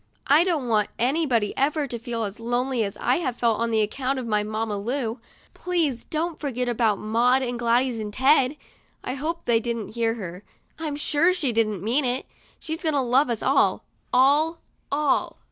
I don't want anybody ever to feel as lonely as I have felt on account of my Mamma Lu. Please don't forget about Maud and Gladys and Ted." I hope they didn't hear her; I'm sure she didn't mean it. She's going to love us all, all, all